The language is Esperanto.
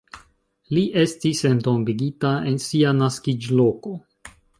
Li estis entombigita en sia naskiĝloko.